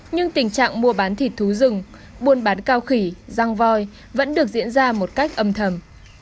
nhưng tình trạng mua bán thịt thú rừng buôn bán cao khỉ răng voi vẫn được diễn ra một cách âm thầm